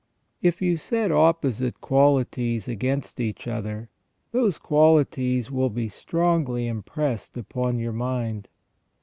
If you set opposite qualities against each other, those qualities will be strongly impressed upon your mind.